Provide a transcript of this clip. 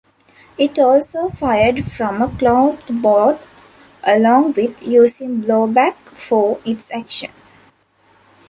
It also fired from a closed bolt along with using blowback for its action.